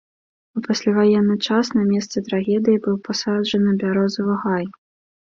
У пасляваенны час на месцы трагедыі быў пасаджаны бярозавы гай.